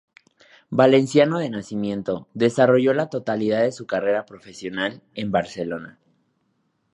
Valenciano de nacimiento, desarrolló la totalidad de su carrera profesional en Barcelona.